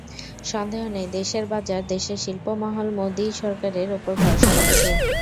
সন্দেহ নেই, দেশের বাজার, দেশের শিল্প মহল মোদি সরকারের ওপর ভরসা রাখছে।